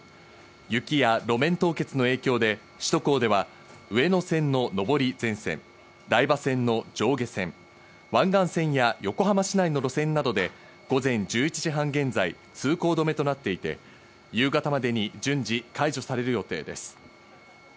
雪や路面凍結の影響で首都高では、上野線の上り全線、台場線の上下線、湾岸線や横浜市内の路線などで午前１１時半現在、通行止めとなっていて、夕方までに順次解除される予定です。